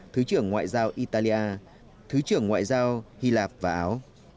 thứ trưởng ngoại giao italia thứ trưởng ngoại giao hy lạp và áo